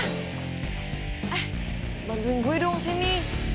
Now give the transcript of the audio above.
eh bantuin gue dong sini